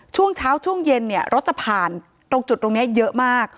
ช่วงเช้าช่วงเย็นเนี่ยรถจะผ่านตรงจุดตรงนี้เยอะมาก